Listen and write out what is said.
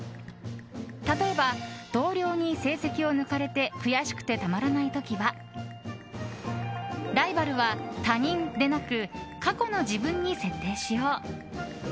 例えば、同僚に成績を抜かれて悔しくてたまらない時はライバルは他人でなく過去の自分に設定しよう！